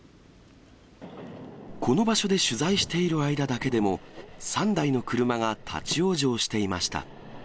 この場所で取材している間だけでも、３台の車が立往生していました。